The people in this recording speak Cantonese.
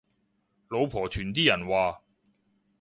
老婆團啲人話